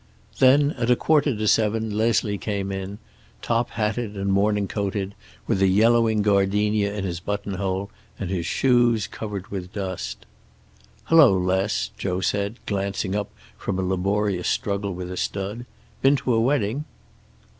Then, at a quarter to seven, Leslie came in, top hatted and morning coated, with a yellowing gardenia in his buttonhole and his shoes covered with dust. "Hello, Les," Joe said, glancing up from a laborious struggle with a stud. "Been to a wedding?"